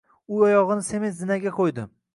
U oyog‘ini sement zinaga qo‘ydi.